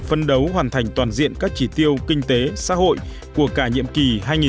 phân đấu hoàn thành toàn diện các chỉ tiêu kinh tế xã hội của cả nhiệm kỳ hai nghìn một mươi sáu hai nghìn hai mươi một